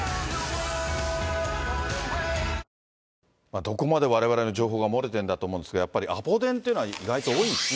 どこまでわれわれの情報が漏れてるんだろうと思うんですが、やっぱりアポ電っていうのは意外と多いんですね。